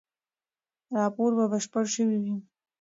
راپور به بشپړ شوی وي.